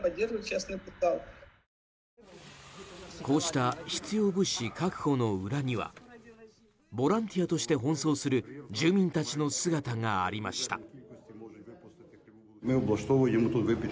こうした必要物資確保の裏にはボランティアとして奔走する住民たちの姿がありました。